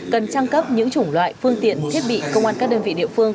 cần trang cấp những chủng loại phương tiện thiết bị công an các đơn vị địa phương